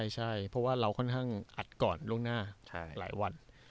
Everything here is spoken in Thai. ใช่เพราะว่าเราค่อนข้างอัดก่อนล่วงหน้าหลายวัน